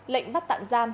lệnh bắt tạm giam